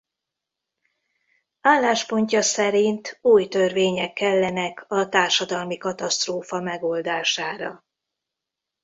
Álláspontja szerint új törvények kellenek a társadalmi katasztrófa megoldására.